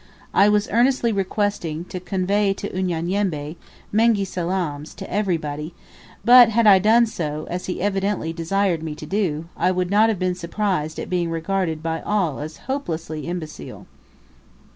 I was earnestly requested to convey to Unyanyembe "Mengi salaams" to everybody, but had I done so, as he evidently desired me to do, I would not have been surprised at being regarded by all as hopelessly imbecile.